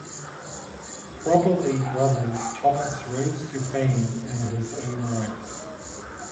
Probably brothers Thomas rose to fame in his own right.